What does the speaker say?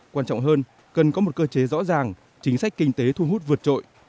quan trọng hơn cần có một cơ chế rõ ràng chính sách kinh tế thu hút vượt trội